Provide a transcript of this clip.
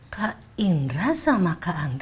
kak indra sama kak anta